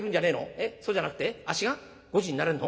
えっそうじゃなくてあっしがごちになれんの？